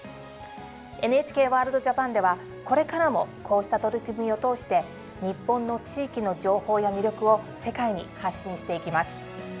「ＮＨＫワールドＪＡＰＡＮ」ではこれからもこうした取り組みを通して日本の地域の情報や魅力を世界に発信していきます。